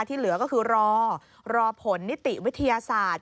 ที่เหลือก็คือรอรอผลนิติวิทยาศาสตร์